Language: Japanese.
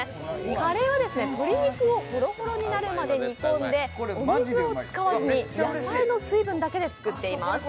カレーは鶏肉をホロホロになるまで煮込んでお水を入れずに、野菜の水分だけで作っています。